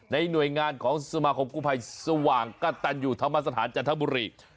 หน่วยงานของสมาคมกู้ภัยสว่างกระตันอยู่ธรรมสถานจันทบุรี